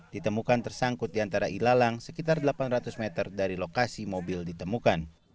ditemukan tersangkut di antara ilalang sekitar delapan ratus meter dari lokasi mobil ditemukan